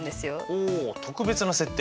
おお特別な設定？